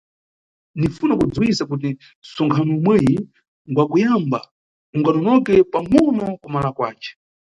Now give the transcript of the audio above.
Ninʼfuna kudziwisa kuti nʼtsonkhano umweyi ngwakuyamba unganonoke pangʼono kumala kwace.